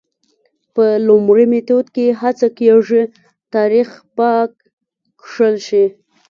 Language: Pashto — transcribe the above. په لومړي میتود کې هڅه کېږي تاریخ پاک کښل شي.